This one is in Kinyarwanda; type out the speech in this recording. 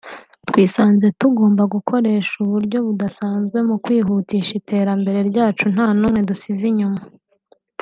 twisanze tugomba gukoresha uburyo budasanzwe mu kwihutisha iterambere ryacu nta n’umwe dusize inyuma